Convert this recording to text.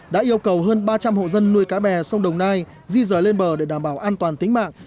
đã yêu cầu hơn ba trăm linh hộ dân nuôi cá bè sông đồng nai di rời lên bờ để đảm bảo an toàn tính mạng